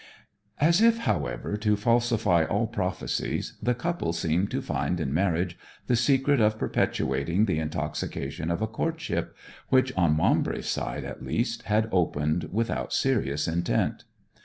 As if, however, to falsify all prophecies, the couple seemed to find in marriage the secret of perpetuating the intoxication of a courtship which, on Maumbry's side at least, had opened without serious intent.